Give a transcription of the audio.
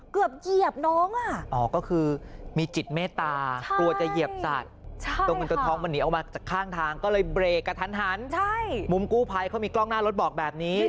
เกือบหยีบน้องอ่ะ